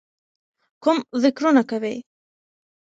کوم ذِکرونه کوئ،